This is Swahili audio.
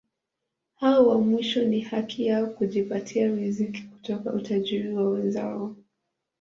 Hao wa mwisho ni haki yao kujipatia riziki kutoka utajiri wa wenzao.